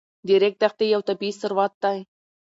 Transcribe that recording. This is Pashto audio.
د ریګ دښتې یو طبعي ثروت دی.